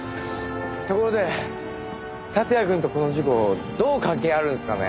ところで竜也くんとこの事故どう関係あるんですかね？